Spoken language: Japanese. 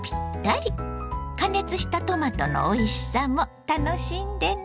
加熱したトマトのおいしさも楽しんでね。